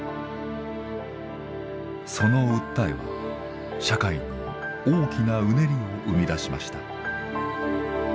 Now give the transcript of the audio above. その訴えは社会に大きなうねりを生み出しました。